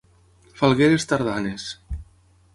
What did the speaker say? Falgueres tardanes.